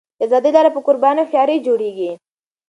د ازادۍ لاره په قربانۍ او هوښیارۍ جوړېږي.